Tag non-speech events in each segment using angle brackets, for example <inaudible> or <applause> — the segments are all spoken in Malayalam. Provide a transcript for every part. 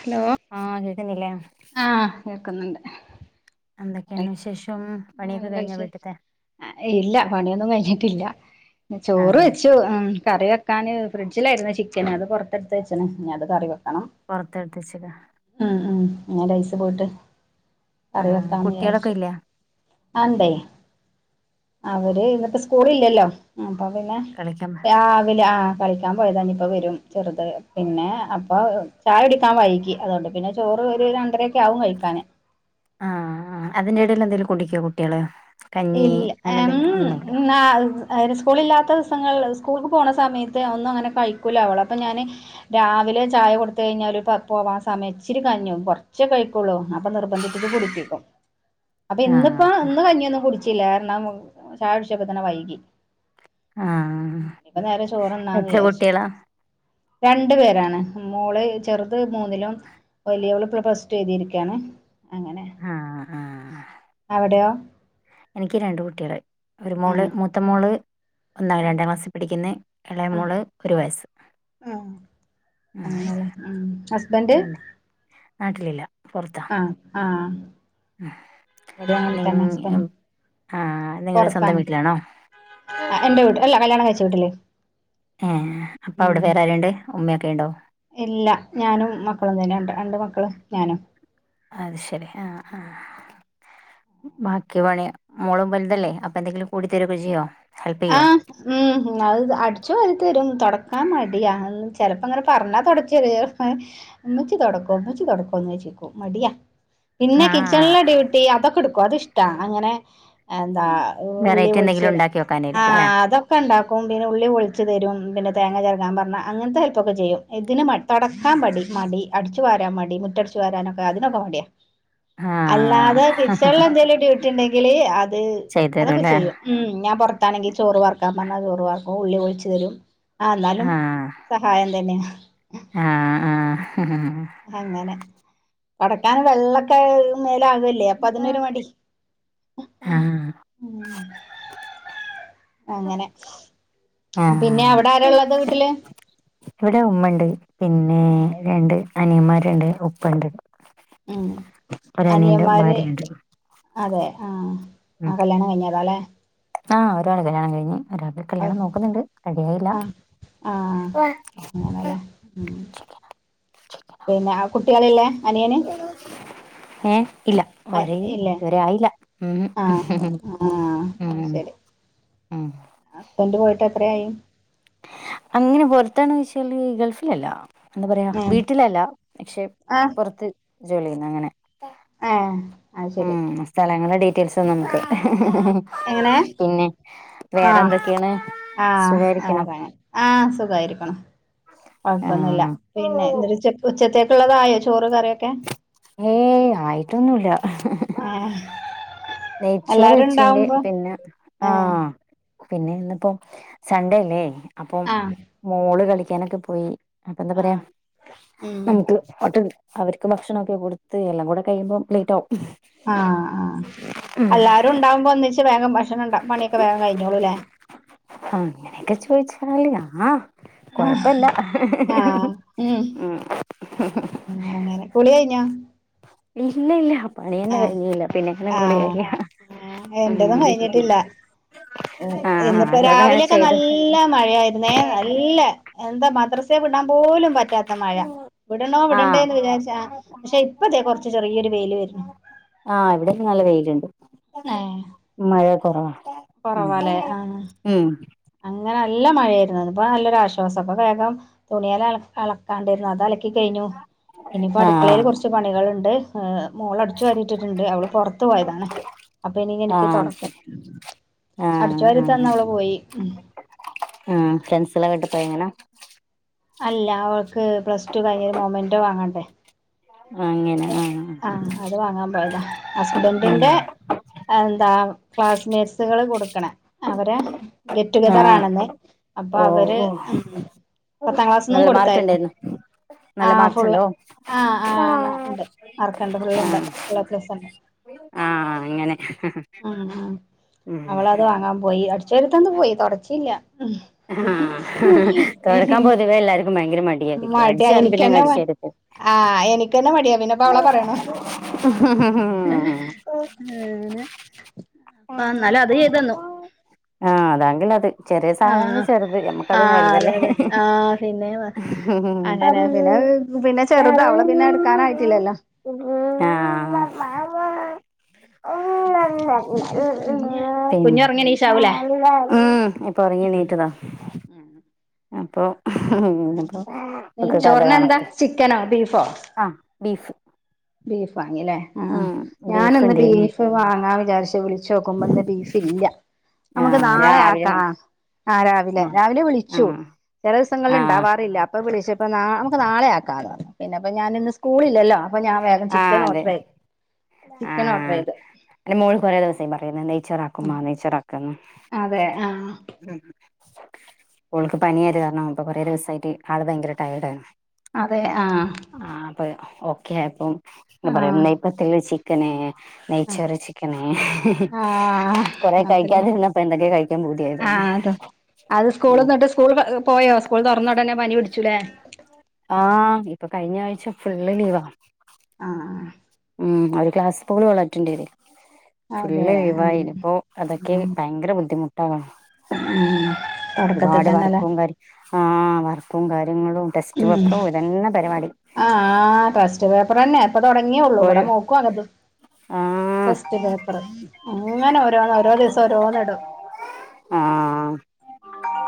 ഹലോ? ആഹ് കേക്കുന്നില്ലേ. ആഹ് കേക്കുന്നുണ്ട്. എന്തൊക്കെണ് വിശേഷം. പണിയൊക്കെ കഴിഞ്ഞ കഴിച്ച് വീട്ടത്തെ ആഹ് ഇല്ല പണിയൊന്നും കഴിഞ്ഞിട്ടില്ല. ചോറ് ആഹ് വെച്ചു ഹം. കറി വെക്കാന് ഫ്രിഡ്ജിലായിരുന്ന് ചിക്കന് അത് പുറത്തെടുത്ത് വെച്ച്ണ് ഇനി അത് കറിവെക്കണം. പൊറത്തെടുത്തെച്ചിലെ. ഉം ഉം അയിന്റെ ഐസ് പോയിട്ട് കറി ആഹ് വെക്കാന്ന് കുട്ടികളൊക്കെ വിചാരിച്ചു. ഇല്ലേ ആഹ് ണ്ടേ. അവര് ഇന്നത്തെ സ്കൂളില്ലല്ലോ അപ്പൊ പിന്നെ. കളിക്കാൻ രാവിലെ ആഹ്. കളിക്കാൻ പോയതാണിപ്പോവരും, ചെറ്ത് പിന്നെ അപ്പൊ ചായ കുടിക്കാൻ വൈകി അതൊണ്ട് പിന്നെ. ചോറ് ഒരു രണ്ടരൊക്കെയാവും കഴിക്കാന്. ആഹ്, ആ അതിന്റെടയില് എന്തെലും കുടിക്കോ കുട്ടികള്. കഞ്ഞി ഇല്ല അങ്ങനെ എം എന്തെങ്കിലും ഒന്നുമില്ല ന്നാ അഹ്. അവര് സ്കൂളില്ലാത്ത ദിവസങ്ങള് സ്കൂൾക്ക് പോണ സമയത്ത് ഒന്നും അങ്ങനെ കഴിക്കൂല അവള് അപ്പോ ഞാന്. രാവിലെ ചായ കൊടുത്ത് കഴിഞ്ഞാല് പ പോവാസമയച്ചിരി കഞ്ഞി കൊറച്ചെ കഴി ളൂ അപ്പൊ നിർബന്ധിപ്പിച്ച് കുടുപ്പിക്കും. അപ്പൊ ഇന്നിപ്പോ ആഹ് ഇന്ന് കഞ്ഞിയൊന്നും കുടിച്ചില്ല. കാരണം ചായട്ചപ്പോതന്നെ വൈകി. ആഹ് ഇനിപ്പോ നേരെ ചോറുണ്ണാന്നു എത്ര വിചാരിച്ചു. കുട്ടികളാ രണ്ട് പേരാണ് മോള് ചെറുത് മൂന്നിലും. വലിയവള് ഇപ്പൊ പ്ലസ്ടു എഴ്തിരിക്കയാണ് അങ്ങനെ ആഹ് ആഹ് അവിടെയോ? എനിക്ക് രണ്ട് കുട്ടികള്, ഒരു മോള് ആഹ് മൂത്ത മോള് ഒന്നാ ആഹ് രണ്ടാം ക്ലാസ്സി പഠിക്കുന്ന്. എളയ മോള് ഒരു വയസ്സ്. ഹും. ഉം, ഹസ്ബൻഡ് ഉം നാട്ടിലില്ലാ പൊറത്താ. അഹ്, ആഹ്. ഉം ഇവിടെ അങ്ങനെ നിങ്‌ തന്നെ ഹസ്ബൻഡ് ആഹ് നിങ്ങടെ സ്വന്തം വീട്ടിലാണോ? ആഹ് എന്റെ വീട്ടി അല്ലാ കല്യാണം കഴിച്ച വീട്ടില്. ഏഹ് അപ്പൊ അവിടെ ഉം വേറാരുണ്ട് ഉമ്മയൊക്കെ ഉണ്ടോ? ഇല്ല ഞാനും മക്കളും തന്നെ രണ്ട് മക്കളും ഞാനും. അത് ശരി ആഹ്, ആഹ്. ബാക്കി പണി മോളും വലുതല്ലേ അപ്പൊ എന്തെങ്കിലും കൂടി തരൊക്കെ ചെയ്യോ ഹെൽപ്പിയ്യൊ. ആഹ് ഉം അഹ് അടിച്ചവാരി തരും. തൊടക്കാ മടിയാ ചെലപ്പോങ്ങനെ പറഞ്ഞാ തൊടച്ച് ചെറിയോ ഉമ്മച്ചി തുൊടക്കോ ഉ മുച്ചി തുൊടക്കോന്ന് വെച്ചിക്കോ മടിയാ പിന്നെ ആഹ് കിച്ചണിലെ ഡ്യൂട്ടി അതൊക്കെ എടുക്കും അത് ഇഷ്ടാ അങ്ങനെ അതാ ഉള്ളി <unintelligible> തനെരിക്കുല്ലേ ക്കെണ്ടാക്കും പിന്നെ ഉള്ളി പൊളിച്ച് തരും പിന്നെ തേങ്ങ ചെരകാൻ പറഞ്ഞാ അങ്ങനത്തെ ഹെൽപ്പൊക്കെ ചെയ്യും ഇതിന് മ തൊടക്കാൻ പടി മടി അടിച്ചു വാരാൻ മടി മുറ്റടിച്ചു വാരാനൊക്കെ അതിനൊക്കെ മടിയാ അല്ലാതെ കിച്ചണില് ആഹ് എന്തേലും ഡ്യൂട്ടിണ്ടെങ്കില് അത് ചെയ്തു അതൊക്കെ തരുംല്ലേ ചെയ്യും ഉം ഞാൻ പൊറത്താണെങ്കി ചോറ് വാർക്കാൻ പറഞ്ഞാ ചോറ് വാർക്കും ഉള്ളി പൊളിച്ചു തരും ആ ന്നാലും ആഹ് സഹായം തന്നെയ ആഹ് ആഹ് അഹഹ് അങ്ങനെ കടക്കാൻ വെള്ളൊക്കെ മേലാക്കല്ലേ അപ്പൊ അതിനൊരു മടി ആഹ് ഉം അങ്ങനെ പിന്നെ ആഹ് അവിടെ ആരാള്ളത് വീട്ടില് ഇവിടെ ഉമ്മണ്ട് പിന്നെ രണ്ട് അനിയമാരുണ്ട് ഉപ്പണ്ട് ഉം ഒരനിയന്റെ അനിയന്മാര് ഭാര്യയുണ്ട് അതെ ആഹ് ആ കല്യാണം കഴഞ്ഞതാ അല്ലെ? ആ ഒരാളെ കല്യാണം കഴിഞ്ഞ്. ഒരാക്ക് ആഹ് കല്യാണം നോക്കുന്നുണ്ട് റെഡിയായില്ല ആഹ് അങ്ങനല്ലേ പിന്നെ ആകുട്ടികളില്ലേ അനിയൻ ഏ ഇല്ല ഒരേ ഇല്ലേ ഇതുവരെ ആയില്ല മം ആഹ് ആഹ് അത് ഹ് ശരി ഹസ്ബൻഡ് പോയിട്ട് എത്രയായി അങ്ങനെ പൊറത്താണ് ചോദിച്ചാല് ഗൾഫിലല്ലാ എന്താപറയാ ആഹ് വീട്ടിലല്ല പക്ഷെ ആഹ് പുറത്ത് ജോലി ചെയ്യുന്നു അങ്ങനെ ഏ ആയിശേരി ഉം സ്ഥലങ്ങളുടെ ഡീറ്റെയിൽസ് ഒന്നും. എങ്ങനെ. പിന്നെ വേറെ ആഹ എന്തൊക്കെയാണ് ആഹ സുഖായിരിക്കണോ ആറെങ്ങെ ആ സുഖായിരിക്കണു. കുഴപ്പൊന്നുല്ല ആഹ് പിന്നെ ഉച്ചത്തേക്കുള്ളതായോ ചോറ് കറിയൊക്കെ? ഏയ് ആയിട്ടൊന്നുല്ല. ആഹ് നെയ്ച്ചോറ് വച്ചിണ്ട്. പിന്നെ ആ ഏഹ് പിന്നെ ഇന്ന്പ്പം സൺണ്ടേ അല്ലേ അപ്പൊ ആഹ് മോള് കളിക്കാനൊക്കെ പോയി. അപ്പ എന്താ പറയാ ആഹ് ഉം <inaudible> <inaudible> അവർക്ക് ഭക്ഷണൊക്കെ കൊടുത്ത് എല്ലാം കൂടെ കഴിയുമ്പോം ലേറ്റ് ആും ആഹ് ആഹ് എല്ലാരും ഉണ്ടാവുമ്പോ ഒന്നിച്ച് വേഗം ഭക്ഷണംണ് പണിയൊക്കെ വേഗം കഴിഞ്ഞോളൂല്ലേ അങ്ങനെയൊക്കെ ചോദിച്ചാല് അഹ് ആഹ് കൊഴപ്പല്ല ആഹ് ഉം ആ അങ്ങനെ കുളികഴിഞ്ഞോ ഇല്ല ഇല്ല പണി തന്നെ കഴിഞ്ഞില്ല. പിന്നെ എങ്ങനെ കുളി കഴിയ ആ ഉം എന്റേതും കഴിഞ്ഞിട്ടില്ല ആ ഇന്ന്പ്പോ അതോണ്ടങ്ങനെ രാവിലെയൊക്കെ ചെയ്തു നല്ല മഴായിരുന്നേ നല്ല എന്താ മദ്രസ വിടാൻ പോലും പറ്റാത്ത മഴ വിടണോ ആ വിടണ്ടേ എന്ന് വിചാരിച്ച ക്ഷെ ഇപ്പതെ കുറച്ച് ചെറിയൊരു വെയിൽ വരുന്നു ആ ഇവിടെ നല്ല വെയിയിലുണ്ട് ഏഹ് മഴ കുറവാ കുറവാല്ലേ ആഹ് ഉം അങ്ങനെ നല്ല മഴയായിരുന്നു. ഇപ്പൊ നല്ലൊരുരാശ്വാസം ഇപ്പൊ വേഗം തുണിയല കണ്ടായിരുന്നു. അത് അലക്കി കഴിഞ്ഞു. ഇനിയിപ്പോ ആ അടുക്കളയില് കുറച്ച് പണികളുണ്ട് മോള് അടിച്ചു വാരിട്ടിട്ട്ണ്ട് അവള് പൊറത്ത് പോയതാണ് അപ്പൊ ഇനി ആ എനിക്ക് തൊടക്കാം ശരി അടിച്ച് വാരി തന്ന് അവള് പോയി. ഉം. ആഹ് ഫ്രണ്ട്സ് എല്ലാം വിട്ട അല്ല ഓക്ക് പ്ലസ് ടു കഴിഞ്ഞ് ഒരു മൊമെന്റോ വാങ്ങാ അങ്ങനെ ആഹ് അത് വാങ്ങാൻ പോയതാ ഹസ്ബൻന്റിന്റെ എന്താ ക്ലാസ്മേറ്റ്സുകള് കൊടുക്കണ അവരെ ഗെറ്റു ആ ആ ഗെദറാണ് ഇന്ന് അപ്പൊ ഓ അവര് ഓ ഉം പത്താം ക്ലാസ് നിന്നും നല്ല മാർക്ക് കൊടുത്തായിരുന്നു ഉണ്ടായിരുന്നു നല്ല ആഹ് മാർക്സ് ഫുൾ ഉണ്ടോ ആഹ് ആഹ് ഉണ്ട് മാർക്ക്‌ണ്ട് ഫുള്ളുണ്ട് ഫുൾ എ പ്ലസ്സ് ഇണ്ട് ആഹ് അങ്ങനെ ഉം ഉം ഉം അവളത് വാങ്ങാൻ പോയി അട് ചെരിത്തന്ന് പോയി തൊടചില്ല ഉം ആഹ് തൊടക്കാൻ പൊതുവേ എല്ലാർക്കും ഭയങ്കര മടിയായിരിക്കും മടി അടിച്ചു ആയി വാരി പിന്നെ അങ്ങ് ഇൻക്കന്നെ മ അടിച്ചു വാരി തീർക്കും ആഹ് എനിക്കന്നെ മടിയാ പിന്നെ ലെ അവള പറയണെ <unintelligible> ആഹ് ഇന്നാലും അത് ചെയ്ത് തന്നു ആഹ് അതാങ്കില് അത് ചെറി ആഹ് ആഹ് അതെ അതെ ആഹ് പിന്നെ അങ്ങനെ പിന്നെ <unintelligible> പിന്നെ ചെറുത അവളെ പിന്നെ എടുക്കാനായിയിട്ടില്ലല്ലോ ആ ഹ് കുഞ്ഞ് ഒറങ്ങി എണീച്ചാവൂലേ ഉം ഇപ്പൊ ഒറങ്ങിണീറ്റതാ ഉം അപ്പൊ ന്ന്പ്പൊ ഒക്കെ കഥ നെയ്ച്ചോറിനെന്താ കണക്കാ ചിക്കനോ ബീഫോ ആഹ് ബീഫ് ബീഫ് വാങ്ങില്ലേ ആഹ് ഉം ബീഫ് ഞാനിന്ന് ഉണ്ടായിരുന്നു ബീഫ് വാങ്ങാം വിചാരിച്ച് വിളി ചോക്കുമ്പം ഇന്ന് ബീഫ്‌ ഇല്ല ആ നമുക്ക് നാളെ രാവിലെ ആക്കാ ആഹ് രാവിലെ ആ രാവിലെ ആ വിളിച്ചു ചില ദിവസങ്ങളിൽ ആ ണ്ടാവാറില്ല അപ്പം വിളിച്ചപ്പം നാ നമുക്ക് നാളെ ആക്കാന്ന് പറഞ്ഞു പിന്നെപ്പോ ഞാനിന്ന് സ്കൂളില്ലല്ലോ അപ്പൊ ഞാൻ വേഗം ആ ചിക്കൻ അതെ ഓർഡർ ചെയ്ത് ആ ചിക്കൻ ഓർഡർ ചെയ്ത് എന്റെ മോൾ കൊറേ ദിവസായി പറയുന്നു നെയ്‌ച്ചോർ ആക്കുമ്മാ നെയ്‌ച്ചോറാക്കാന്ന് അതെ ആഹ് <unintelligible> ഓൾക്ക് പനിആയത് കാരണം ഇപ്പൊ കൊറേ ദിവസായിട്ട് ആള് ഭയങ്കര ടയേർഡായിരുന്നു അതെ ആഹ് ആഹ് അപ്പൊ ഓക്കെ ആയപ്പം എന്താ പറ ആ നെയ <unintelligible> ചിക്കന് ആ നെയ്ചോറ് ചിക്കന് ആ കുറേ അതല്ലേ കഴിക്കാതിരിന്നപ്പൊ എന്തൊക്കെ കഴിക്കാൻ പൂതിആയി ആ തോന്ന്ണ് അത അത് സ്കൂൾ ന്ന്ട്ട് സ്കൂള് പോയോ സ്കൂൾ തൊറന്നൊടന്നെ പനി പിടിച്ചൂലേ ആഹ് ഇപ്പൊ കഴിഞ്ഞ ആഴ്ച ഫുള്ള് ലീവാ ആഹ് ഉം ഒരുക്ലാസ് പോലും അവള് അറ്റൻഡ് ചെ ഫുള്ള് അതെ ഉം ലീവായി ഇനിപ്പോ ഉം അതൊക്കെ ഭയങ്കര ബുദ്ധിമുട്ടാണ് ഉം തൊടക്കത്ത് തന്നെലേ ആഹ് വർക്കും കാര്യങ്ങളും ടെസ്റ്റ് ഉം പേപ്പറും ഇതന്നെ പരിപാടി ആഹ് ടസ്റ്റ് പേപ്പർ തന്നെ ഇപ്പൊ തുടങ്ങിയള്ളൂ ഇവിടെ ഒരു മോക്കും അങ്ങ ആ ടെസ്റ്റ് പേപ്പറ് ങ്ങനെ ഓരോന്ന ഓരോ ദിവസം ഓരോന്ന് ഇടും ആഹ് ആഹ്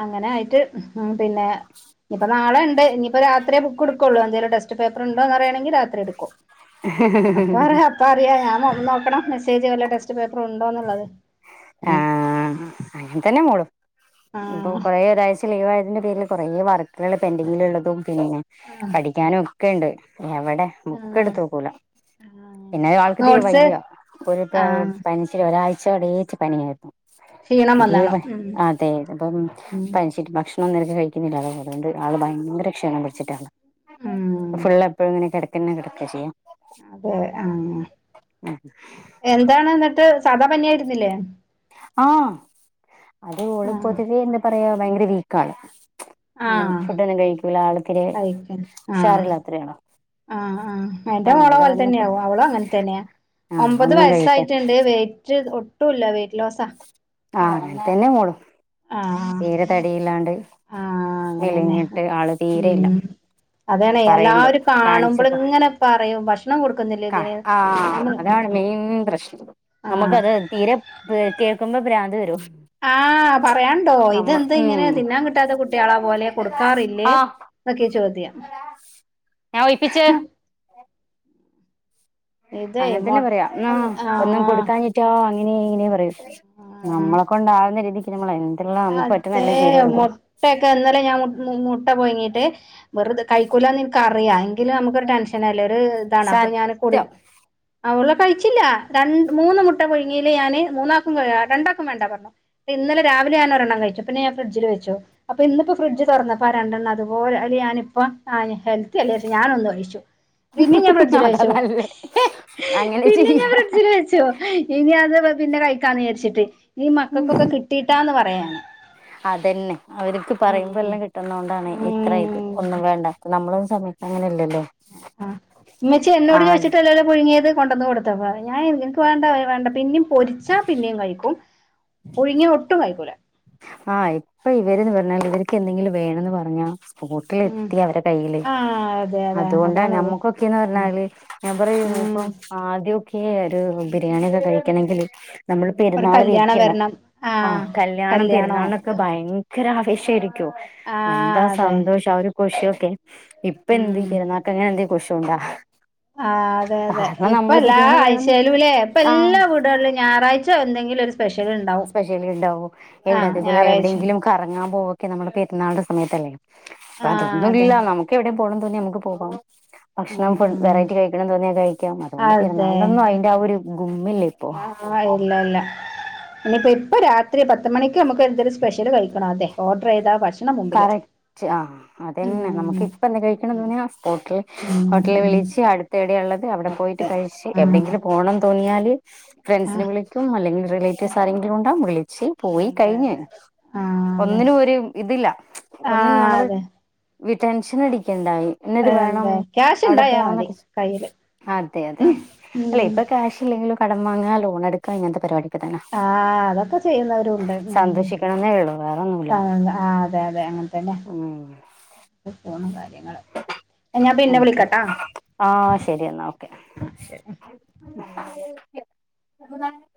അങ്ങനെ ആയിട്ട് ഉം പിന്നെ ഞ്ഞി ഇപ്പൊ നാളെ ഉണ്ട് ഇനിപ്പോ രാത്ര്യേ ബുക്ക്‌ ഇടുക്കുള്ളൂ എന്തേലും ടെസ്സ്റ്റ് പേപ്പറ് ഉണ്ടോന്ന് അറിയാണെങ്കി രാത്രി കൊ <inaudible> ഇഹി വേറെ അപ്പ അറിയാ ഞാൻ വ ന്നോക്കണം മെസ്സേജ് വല്ല ടെസ്റ്റ് പേപ്പർ ഉണ്ടോ എന്നുള്ളത് ആ അങ്ങെ തന്നെ മോളു ഇപ്പൊ ആഹ് കൊറേ ഒരാഴ്‌ ലീവായതിന്റെ പേരിൽ കൊറേ വർക്കുകള് പെൻഡിങ്ങിലുള്ളതും പിന്നെ ആഹ് പഠിക്കാനും ഒക്കെയുണ്ടെ എവിടെ ബുക്കെടുത്ത് ആഹ് നോക്കൂല ആഹ് പിന്നെ ആൾക്ക് തീരെ നോട്ട്സ് വയ്യ ഒരു ആഹ് പനി ഒരാഴ്ച അടേച്ചു പനിയാരുന്നു ക്ഷീണം വന്നാണോ തീരെ ഉം അതെ അപ്പം ഉം പനിച്ചിട്ടെ ഭക്ഷണ ഒന്നര കഴിക്കുന്നില്ല അതുകൊണ്ട് ആളെ ഭയങ്കര ക്ഷീണം പിടിച്ചിട്ടാണ് ഉം ഫുള്ളെ എപ്പഴും ഇങ്ങനെ കിട പിന്നെ കിടക്ക ചെയ്യാ അതെ ആ എന്താണ് എന്നിട്ട് സദാ പനായിരുന്നില്ലേ ആഹ് അത് ഓള് ആഹ് പൊതുവേ എന്താ പറയാ ഭയങ്കര വീക്കാണ് അങ്ങനെ ആഹ് ഫുഡ്ഡൊന്നും കഴിക്കൂല്ല ആളിത്തിരെ ഉഷാറിള്ളത്തൊരാളാ ആ ആ എന്റെ മോളെ പോലെ തന്നെയാവും അവളും അങ്ങനെ തന്നെയാ ആഹ് ഒമ്പത് ഒന്നും കഴിക്കാ വയസായിട്ടുണ്ട് വെയിറ്റ് ഒട്ടും ഇല്ല വെയിറ്റ് ലോസാ ആ അങ്ങൻ തന്നെ മോളും ആഹ് തീരെ തടിയില്ലാണ്ട് ആഹ് അങ്ങനെന്നെ മെലിഞ്ഞിട്ട് ആള് തീരെയില്ല അതോണ് പറയണ്ട് എല്ലാവരും കാണിച്ചപ്പോ കാണുമ്പളിങ്ങനെ പറയും ഭക്ഷണം കൊടുക്കുന്നില്ലേ കാ ഇതിന് ആഹ് നമ്മൾ അതാണ് ആ മെയിൻ പ്രശ്നം ആഹ് നമുക്കത് തീരെ ഇതേത്തിയേക്കുമ്പ പ്രാന്ത്‌ വരും ആ പറയാണ്ടോ നമ്മ ഇതെന്ത് ഇങ്ങനെ ഉം തിന്നാൻ കിട്ടാത്ത കുട്ടികളെ പോലെ കൊടുക്കാറില്ലേ ആഹ് ക്കെ ചോദ്യം ഞാൻ ഒയിപ്പിച്ചേ ഇതേ അങ്ങനെ മൊ തന്നെ പറയാം ആ ഒന്നും ആഹ് കൊടുക്കാഞ്ഞിട്ട് റ്റാ അങ്ങനെ ഇങ്ങനെ പറയൂ ആഹ് നമ്മളെക്കൊണ്ടാവുന്ന രീതി പിന്നെ നമ്മളെന്തെല്ലാം നമ്മക്ക് അതെ പറ്റുന്നതല്ലെ ചെയ്ത് കൊടുക്കോ മുട്ടയൊക്കെ ഇന്നലെ ഞാൻ മുട്ട പൊയിങ്ങീട്ട് വെറുതെ കൈക്കൂല്ലാന്നെൻ ക്ക അറിയ എങ്കിലു നമുക്കൊരു ടെൻഷനല്ലേ ഒരു ഇതാണ് അപ്പ ഞാൻ കൊടു സത്യം അവളെ കയിച്ചില്ല രണ്ട് മൂന്ന് മുട്ട പുഴുങ്ങീല് ഞാന് മൂന്നാക്കും രണ്ടാക്കും വേണ്ട പറഞ്ഞു ഇന്നലെ രാവിലെ ഞാനൊ രെണ്ണം കഴിച്ചു പിന്നെ ഞാൻ ഫിഡ്ജിലു വെച്ചു അപ്പ ഇന്നിപ്പ ഫ്രിഡ്ജ് തുറന്നപ്പം ആ രണ്ടെണ്ണം അതുപോലെ അതു ഞാനിപ്പം ഹെൽത്തി അല്ലേ ചാരിച്ച് ഞാനൊന്ന് കഴിച്ചു പിന്നേം ഞാൻ ഫ്രിഡ്ജില് അതാ വെച്ചു നല്ലേ എഹെ അങ്ങനെ പിന്നേം ഞാൻ ചെയ്യാ ഫ്രിഡ്ജിലു വെച്ചു ഇനി അത് പിന്നെ കൈക്കാന്ന് വെച്ചിട്ട് ഇനി മക്കൾക്കൊക്കെ കിട്ടീട്ടാന്ന് പറയാൻ അതന്നെ അവരിക്ക് പറയുമ്പ ഉം എല്ലാംകി കിട്ടുന്നോണ്ടാണ് ഇത്രേം ഇത് ഉം ഒന്നും വേണ്ട നമ്മളൊന്നും സമയത്തെ അങ്ങനല്ലല്ലോ ആ ഉമ്മച്ചി എന്നോട് ചോദിച്ചിട്ടല്ലോ പുഴുങ്ങിയത് കൊണ്ടുവന്ന് കൊടുത്തപ്പം ഞാൻ നിനക്ക് വേണ്ട വേണ്ട പിന്നേം പൊരിച്ചാ പിന്നേം കഴിക്കും പുഴുങ്ങിയാ ഒട്ടും കഴിക്കൂല്ല ആ ഇപ്പൊ ഇവരെന്ന് പറഞ്ഞാൽ ഇവർക്കെന്തെങ്കിലും വേണന്ന് പറഞ്ഞാ ഉം കൂട്ടിലെത്തി അവരെ കയ്യില് ആഹ് അതെ അതെ അതുകൊണ്ടാ അതാണത് ഞമ്മക്കൊക്കേന്ന് പറഞ്ഞാല് ഞാൻ പറയുവാ ഉം ഇപ്പം ആദ്യൊക്കെ ഒരു ബിരിയാണി ഒക്കെ കഴിക്കണെങ്കിലെ നമ്മൾ ഒരു പെരുന്നാളു വെയ്റ്റ് കല്യാണം ചെയ്യണം വരണം ആ ആഹ് കല്ല്യാണം കല്യാണോ പെരുന്നാളിനൊക്കെ ആഹ് ഭയങ്കര ആവേശമായിരിക്കോ എന്താ അതെ സന്തോഷം ആ ഒരു ആഘോഷയൊക്കെ ഇപ്പെന്ത് ഉം <unintelligible> ആ അതെ അതെ ഇപ്പെല്ലാ വേണന്ന് ആഴ്‌ച്ചെല്ലൂല്ലേ ഇപ്പ ആഹ് എല്ലാ വീടുകളിലും ഞാറാഴ്ച ച്ചോന്തെങ്കിലും സ്പെഷ്യലുണ്ടാവും സ്പെഷ്യലിലുണ്ടാവും എവിടെത്തെ പ്പോലെ എവിടെങ്കിലും കറങ്ങാൻ പോവൊക്കെ നമ്മടെ പെരുന്നാളി ന്റെ സമയത്തല്ലേ അപ്പൊ ആഹ് അതൊന്നുമില്ല അതെ നമു ക്കെ എവിടെ പോണന്ന് തോന്നിയാ നമ്മക്ക് പോവാം ഉം ഭക്ഷണം ഫുഡ് ഉം വെറൈറ്റി കഴിക്കണെന്ന് തേന്നിയാ കഴി ക്കാം അതോണ്ട് അതെ പെരുന്നാളിനൊന്നും അയിന്റെ ആ ഒരു ഗുമ്മില്ലാ ഇപ്പോ. ആഹ് ഇല്ല ഇല്ല ഞ്ഞിപ്പോ ഇപ്പേ രാത്രി പത്ത്മണിക്ക് നമുക്ക് എന്തെലും സ്പെഷൽ കഴിക്കെണം അതെ ഓർഡയ്താ ഭക്ഷ് കറക്റ്റ് ആ അതെന്നെ, നമുക്ക് ഉം ഇപ്പന്ത് കഴിക്കെണം തോന്ന്യാ സ്പോട്ടിൽ. ഉം ഹോട്ടലീ ഉം വിളിച്ച് അടുത്തെവിടെയുള്ളത് അവിടെ പോയിട്ട് അതെ കഴിച്ച് ആഹ് എവിടെങ്കിലും പോണം തോന്നിയാല് ഫ്രണ്ട്സിനെ ആഹ് വിളി സും അല്ലെങ്കി, റിലേറ്റീസ് ആരെങ്കിലും ണ്ടാവും. വിളിച്ച് പോയി അതെ ക്കഴിഞ്ഞ്. അതെ ആഹ് അതെ ഒന്നിനും ഒരുതില്ല ഒന്നിനും ആഹ് നമ്മള് അതെ വി ടെൻഷനടിക്കെണ്ടായ്. ന്നത് വേണം എന്താ ക്യാഷ് അവിടെ ഉണ്ടായാ മതി പോണന്നൊക്കെ കയ്യില് അതെ തെ ഉം ല്ലെ ഉം ഇപ്പൊ ക്യാഷില്ലെലും കടം വാങ്ങ ലോണടക്കാ ഇങ്ങൻത്തെ പരിപാടി ആഹ് അതൊക്കെ ചെയ്യുന്നവരുണ്ട് ഉം സന്തോഷിക്കണംന്നേ ഉള്ളൂ വേറൊന്നുല്ല ആ.. തെ തെ അങ്ങൻതന്നെ, ഉം നെപോണു കാര്യങ്ങൾ ഞാ പിന്നെ, അതെ വിളിക്കാട്ടാ. ആഹ് ശരി എന്നാ <inaudible>